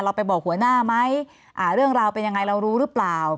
ไปบอกหัวหน้าไหมเรื่องราวเป็นยังไงเรารู้หรือเปล่า